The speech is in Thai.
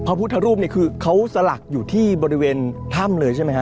พระพุทธรูปเนี่ยคือเขาสลักอยู่ที่บริเวณถ้ำเลยใช่ไหมฮะ